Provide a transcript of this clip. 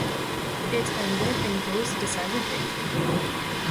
It ended in Go's decisive victory.